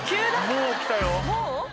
もう来たよ。